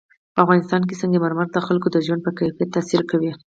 په افغانستان کې سنگ مرمر د خلکو د ژوند په کیفیت تاثیر کوي.